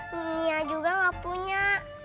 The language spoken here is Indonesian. punya juga nggak punya